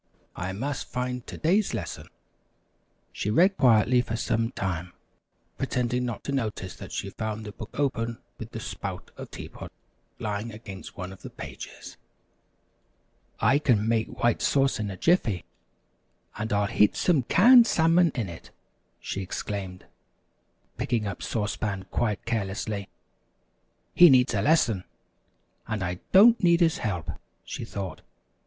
"I must find to day's lesson." She read quietly for some time, pretending not to notice that she found the book open with the spout of Tea Pot lying against one of the pages. [Illustration: Lying against one of the pages.] "I can make White Sauce in a jiffy, and I'll heat some canned salmon in it," she exclaimed, picking up Sauce Pan quite carelessly. "He needs a lesson, and I don't need his help," she thought.